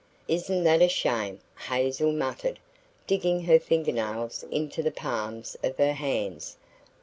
"Isn't that a shame!" Hazel muttered, digging her fingernails into the palms of her hands.